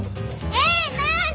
えっ何？